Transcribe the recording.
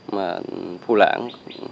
mà phu lãng